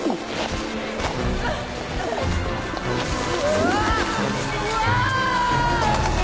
うわ！